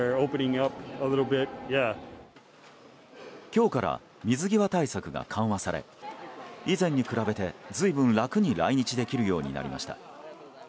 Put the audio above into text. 今日から、水際対策が緩和され以前に比べて随分、楽に来日できるようになりました。